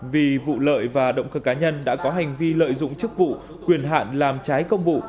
vì vụ lợi và động cơ cá nhân đã có hành vi lợi dụng chức vụ quyền hạn làm trái công vụ